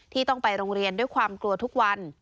ต้องไปโรงเรียนด้วยความกลัวทุกวัน